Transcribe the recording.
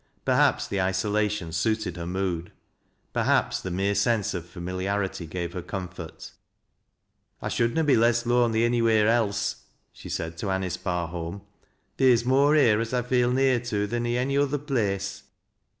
Perhaps the isolation suited her mood ; perhaps the mere sense of familiarity gave her comfort. " I should na be less lonely any wheer else," she said to Aiiice Barholm. " Theer's more here as I feel near to than i' any other place.